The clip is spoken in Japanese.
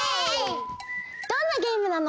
どんなゲームなの？